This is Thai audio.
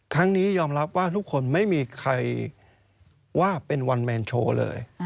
นี้ยอมรับว่าทุกคนไม่มีใครว่าเป็นวันแมนโชว์เลย